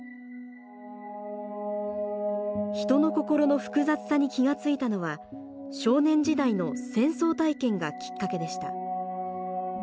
人の心の複雑さに気が付いたのは少年時代の戦争体験がきっかけでした。